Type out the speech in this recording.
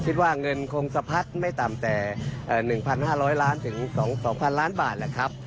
คิดว่าเงินคงสะพัดไม่ต่ำแต่๑๕๐๐ล้านถึง๒๐๐ล้านบาทแหละครับ